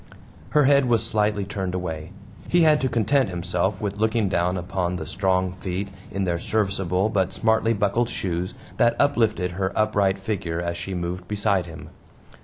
Her head was slightly turned away. He had to content himself with looking down upon the strong feet in their serviceable but smartly buckled shoes that uplifted her upright figure as she moved beside him.